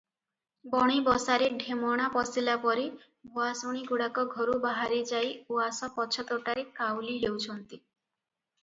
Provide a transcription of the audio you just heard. ବଣି ବସାରେ ଢେମଣା ପଶିଲାପରି ଭୁଆସୁଣୀଗୁଡ଼ାକ ଘରୁ ବାହାରିଯାଇ ଉଆସ ପଛ ତୋଟାରେ କାଉଳି ହେଉଛନ୍ତି ।